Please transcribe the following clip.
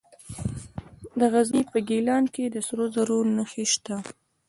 د غزني په ګیلان کې د سرو زرو نښې شته.